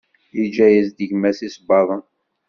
Yeǧǧa-as-d gma-s iṣebbaḍen.